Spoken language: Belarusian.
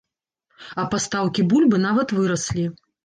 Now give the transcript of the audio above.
А пастаўкі бульбы нават выраслі.